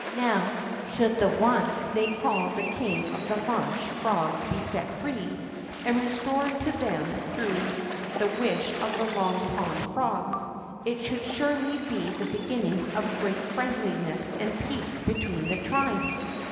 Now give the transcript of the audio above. Now, should the one they call the king of the marsh frogs be set free and restored to them through the wish of the Long Pond frogs, it should surely be the beginning of great friendliness and peace between the tribes.